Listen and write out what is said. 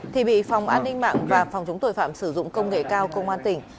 thì bị phòng an ninh mạng và phòng chống tội phạm sử dụng công nghệ cao công an tỉnh